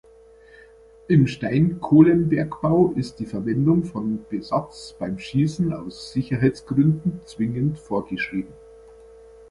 Im Steinkohlenbergbau ist die Verwendung von Besatz beim Schießen aus Sicherheitsgründen zwingend vorgeschrieben.